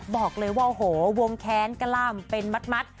บอกเลยว่าโหวงแขนกระล่ำเป็นมัดมัด